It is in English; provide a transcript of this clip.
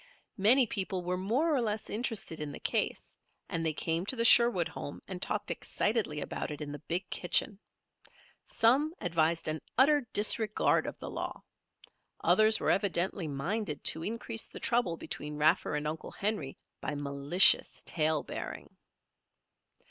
Many people were more or less interested in the case and they came to the Sherwood home and talked excitedly about it in the big kitchen. Some advised an utter disregard of the law. Others were evidently minded to increase the trouble between Raffer and Uncle Henry by malicious tale bearing.